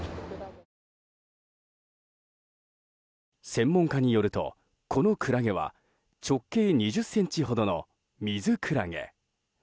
専門家によると、このクラゲは直径２０ｃｍほどのミズクラゲ。